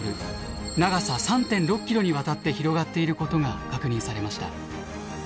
長さ３．６ｋｍにわたって広がっていることが確認されました。